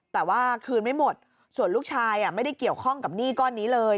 แต่ว่าคืนไม่หมดส่วนลูกชายไม่ได้เกี่ยวข้องกับหนี้ก้อนนี้เลย